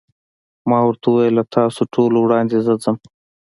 ما ورته وویل: له تاسو ټولو وړاندې زه ځم.